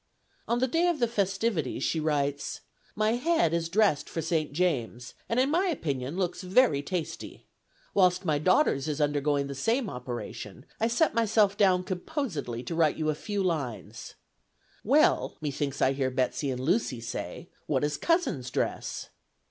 On the day of the festivities she writes: "My head is dressed for St. James's, and in my opinion, looks very tasty. Whilst my daughter's is undergoing the same operation, I set myself down composedly to write you a few lines. 'Well,' methinks I hear Betsey and Lucy say, 'what is cousin's dress?'